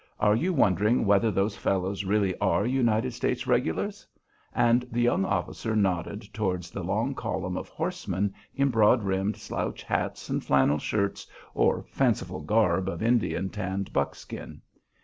"Are you wondering whether those fellows really are United States regulars?" and the young officer nodded towards the long column of horsemen in broad brimmed slouch hats and flannel shirts or fanciful garb of Indian tanned buckskin.